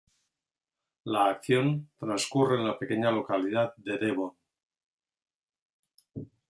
La acción transcurre en la pequeña localidad de Devon.